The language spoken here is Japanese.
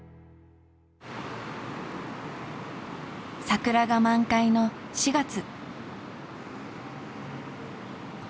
桜が満開の４月。